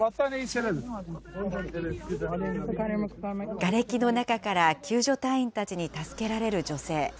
がれきの中から救助隊員たちに助けられる女性。